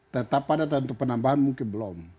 tetap ada penambahan mungkin belum